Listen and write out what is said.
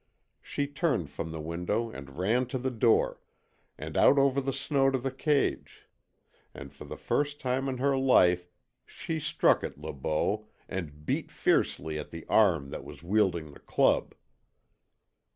She turned from the window and ran to the door, and out over the snow to the cage; and for the first time in her life she struck at Le Beau, and beat fiercely at the arm that was wielding the club.